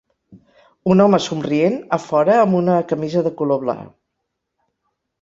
Un home somrient afora amb una camisa de color blau.